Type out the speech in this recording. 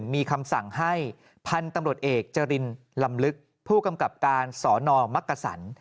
มีคำสั่งให้พันธุ์ตำรวจเอกจรินลำลึกผู้กำกับการสนมักกษัน